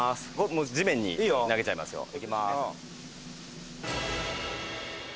もう地面に投げちゃいますよ。いきます。